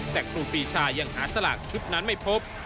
แต่ครูปีชายังหาสลากชุดนั้นไม่พบ